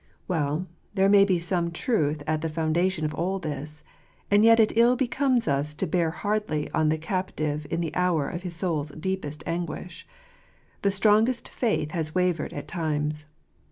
Well, there may be some truth at the foundation of all this; and yet it ill becomes us to bear hardly on the captive in the hour of his soul's deepest anguish. The strongest faith has wavered at times.